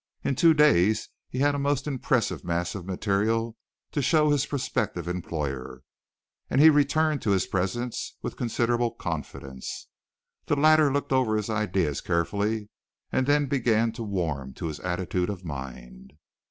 In two days he had a most impressive mass of material to show his prospective employer, and he returned to his presence with considerable confidence. The latter looked over his ideas carefully and then began to warm to his attitude of mind.